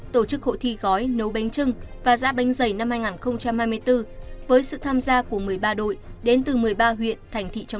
tổ chức hội thi gói nấu bánh trưng và giã bánh dày năm hai nghìn hai mươi bốn với sự tham gia của một mươi ba đội đến từ một mươi ba huyện thành thị trong